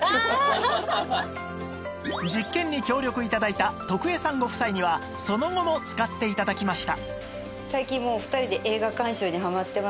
実験に協力頂いた徳江さんご夫妻にはその後も使って頂きました